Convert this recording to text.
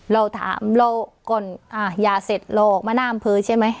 เราถามเราก่อนอ่ายาเสร็จเราออกมาน่ามพื้นใช่ไหม